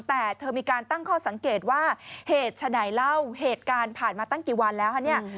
แต่เธอมีการตั้งข้อสังเกตว่าเหตุฉนายเล่าเหตุการณ์ผ่านมาตั้งกี่วันแล้วคะเนี่ย